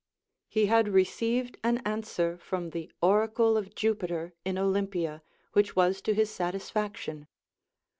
He had received an answer from the Oracle of Jupiter in Olympia, which was to his satisfaction.